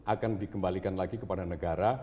akan dikembalikan lagi kepada negara